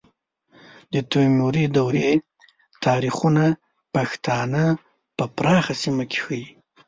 د تیموري دورې تاریخونه پښتانه په پراخه سیمه کې ښیي.